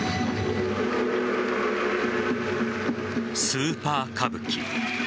スーパー歌舞伎。